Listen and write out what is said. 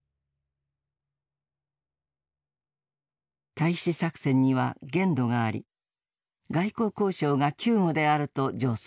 「対支作戦」には限度があり外交交渉が急務であると上奏した。